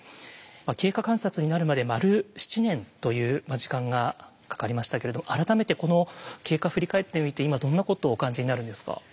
経過観察になるまで丸７年という時間がかかりましたけれども改めてこの経過振り返ってみて今どんなことをお感じになるんですか？